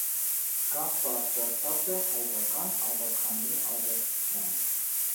Գահ բարձրացած է հայկական աւագանիի աջակցութեամբ։